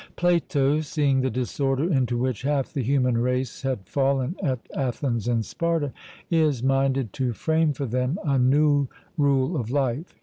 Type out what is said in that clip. Plato, seeing the disorder into which half the human race had fallen at Athens and Sparta, is minded to frame for them a new rule of life.